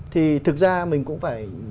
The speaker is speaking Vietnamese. thì thực ra mình cũng phải